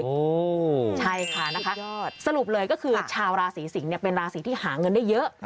โอ้ใช่ค่ะสรุปเลยก็คือชาวราศรีสิงฯเป็นราศรีที่หาเงินได้เยอะ